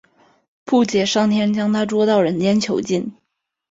布杰上天将它捉到人间囚禁。